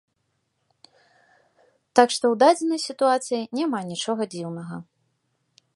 Так што, у дадзенай сітуацыі няма нічога дзіўнага.